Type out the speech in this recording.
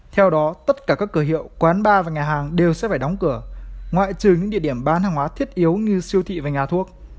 theo đó tất cả các cửa hiệu quán bar và nhà hàng đều sẽ phải đóng cửa ngoại trừ những địa điểm bán hàng hóa thiết yếu như siêu thị và nhà thuốc